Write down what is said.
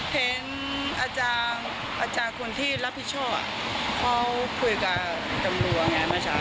เห็นอาจารย์อาจารย์คนที่รับผิดโชคเขาคุยกับจำนวงไงมาช้านี้